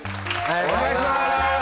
お願いします